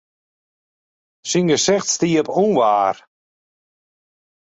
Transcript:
Syn gesicht stie op ûnwaar.